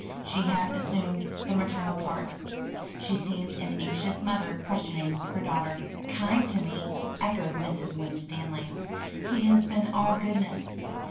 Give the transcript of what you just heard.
She had assumed the maternal part. She seemed an anxious mother questioning her daughter. "Kind to me," echoed Mrs. Winstanley. "He has been all goodness.